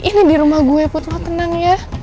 ini di rumah gue put lo tenang ya